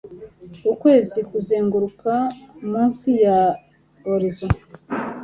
Ukwezi kuzenguruka munsi ya horizon